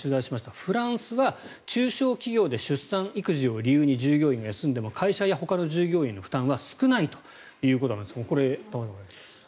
フランスは中小企業で出産・育児を理由に従業員が休んでも会社やほかの従業員への負担は少ないということなんですがこれ、玉川さん。